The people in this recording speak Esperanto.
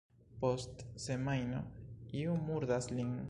Post semajno iu murdas lin.